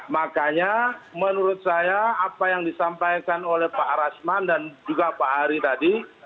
makanya menurut saya apa yang disampaikan oleh pak rasman dan juga pak ari tadi